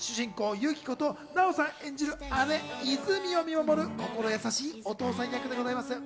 ユキコと奈緒さん演じる姉・イズミを見守る心優しいお父さん役でございます。